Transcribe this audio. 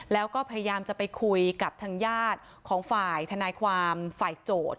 แล้วก็พยายามจะไปคุยกับทางญาติของฝ่ายทนายความฝ่ายโจทย์